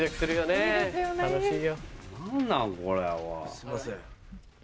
すいません。